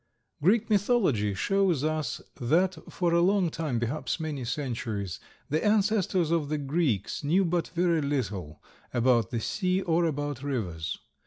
Greek mythology shows us that for a long time, perhaps many centuries, the ancestors of the Greeks knew but very little about the sea or about rivers.